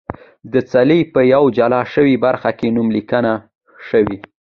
د څلي په یوه جلا شوې برخه کې نوم لیکل شوی.